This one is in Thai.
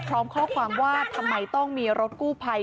พร้อมข้อความว่าทำไมต้องมีรถกู้ภัย